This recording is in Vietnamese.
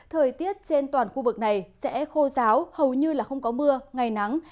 thời tiết trên toàn khu vực này sẽ khô ráo hầu như là không có mưa ngày nắng